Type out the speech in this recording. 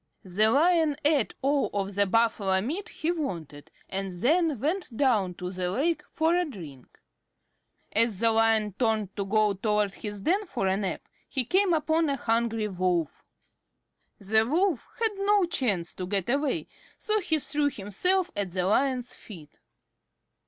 The Lion ate all of the Buffalo meat he wanted, and then went down to the lake for a drink. As the Lion turned to go toward his den for a nap, he came upon a hungry Wolf. The Wolf had no chance to get away, so he threw himself at the Lion's feet.